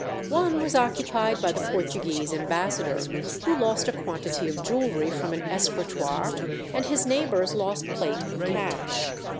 One was occupied by the Portuguese ambassador, who lost a quantity of jewellery from an escritoire, and his neighbours lost plate and cash.